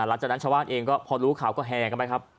หลังจากนั้นชาวบ้านเองก็พอรู้ข่าวก็แห่กันไปครับ